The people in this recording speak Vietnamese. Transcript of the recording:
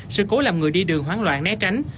sự cố làm người đi đường hoảng loạn né tránh